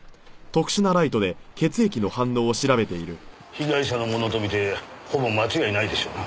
被害者のものと見てほぼ間違いないでしょうな。